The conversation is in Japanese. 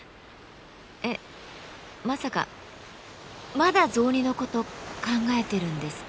えっまさかまだ雑煮の事考えてるんですか？